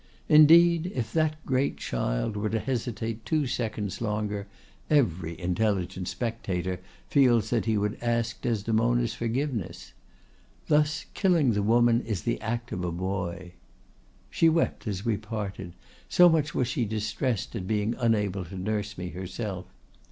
Indeed, if that great child were to hesitate two seconds longer, every intelligent spectator feels that he would ask Desdemona's forgiveness. Thus, killing the woman is the act of a boy.—She wept as we parted, so much was she distressed at being unable to nurse me herself.